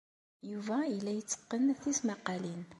Yuba yella yetteqqen tismaqqalin.